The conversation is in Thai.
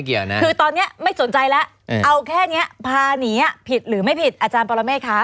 เกี่ยวนะคือตอนนี้ไม่สนใจแล้วเอาแค่นี้พาหนีผิดหรือไม่ผิดอาจารย์ปรเมฆคะ